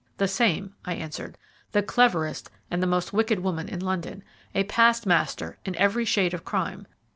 "The same," I answered; "the cleverest and the most wicked woman in London a past master in every shade of crime.